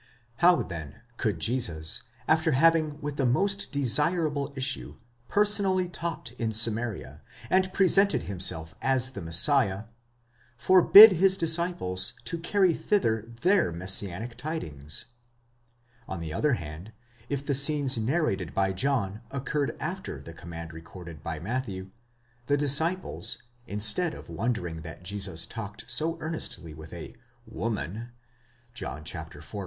How, then, could Jesus, after having with the most desirable issue, personally taught in Samaria, and presented himself as the Messiah, forbid his disciples to carry thither their messianic tidings? On the other hand, if the scenes narrated by John occurred after the command recorded by Matthew, the disciples, instead of wondering that Jesus talked so earnestly with a zoman (John iv.